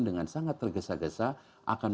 dengan sangat tergesa gesa akan